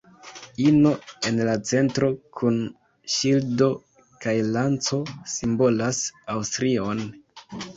Ino en la centro, kun ŝildo kaj lanco simbolas Aŭstrion.